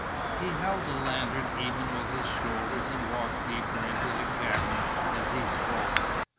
He held the lantern even with his shoulders and walked deeper into the cavern as he spoke.